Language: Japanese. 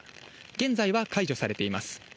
現在は解除されています。